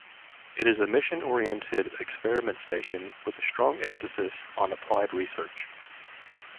It is a mission-oriented experiment station with a strong emphasis on applied research.